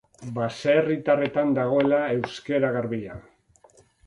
Baserritarretan dagoela euskara garbia.